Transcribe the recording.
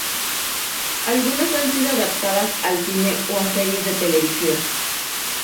Algunas han sido adaptadas al cine o a series de televisión.